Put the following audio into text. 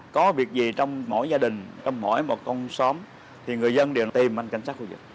có việc gì trong mỗi gia đình trong mỗi một con xóm thì người dân đều tìm anh cảnh sát khu vực